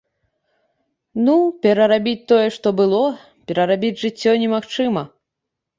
Ну, перарабіць тое, што было, перарабіць жыццё немагчыма.